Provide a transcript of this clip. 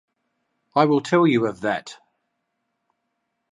I will tell you of that!